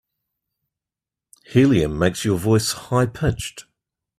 Helium makes your voice high pitched.